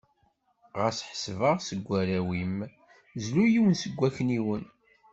Ɣas ḥseb-aɣ seg warraw-im, zlu yiwen seg wakniwen.